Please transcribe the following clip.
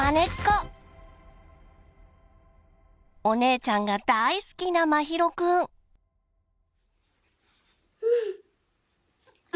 お姉ちゃんが大好きなまひろくん。